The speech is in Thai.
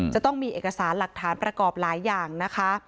จะต้องมีเอกสารหลักฐานประกอบหลายอย่างนะคะ